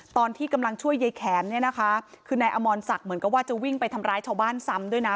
ตอนที่กำลังช่วยยายแขมเนี่ยนะคะคือนายอมรศักดิ์เหมือนกับว่าจะวิ่งไปทำร้ายชาวบ้านซ้ำด้วยนะ